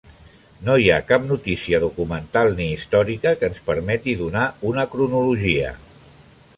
No hi ha cap notícia documental ni històrica que ens permeti donar una cronologia.